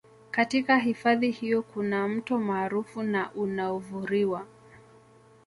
Katika hifadhi hiyo kuna Mto maarufu na unaovuriwa